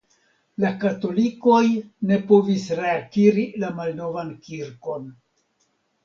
La katolikoj ne povis reakiri la malnovan kirkon.